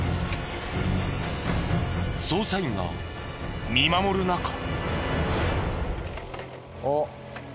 捜査員が見守る中。